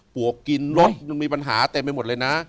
ปวกกินรถยังมีปัญหาเต็มไปหมดเลยนะ